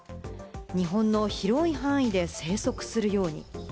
日本の広い範囲で生息するように。